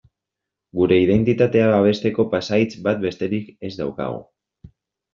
Gure identitatea babesteko pasahitz bat besterik ez daukagu.